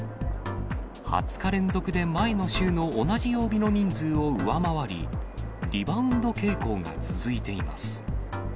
２０日連続で前の週の同じ曜日の人数を上回り、リバウンド傾向が続いています。